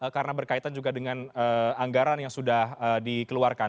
karena berkaitan juga dengan anggaran yang sudah dikeluarkan